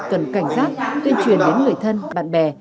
cần cảnh giác tuyên truyền đến người thân bạn bè